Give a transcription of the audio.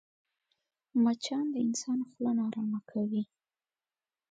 مچان د انسان خوله ناارامه کوي